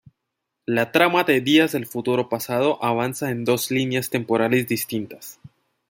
La trama de "Días del futuro pasado" avanza en dos líneas temporales distintas.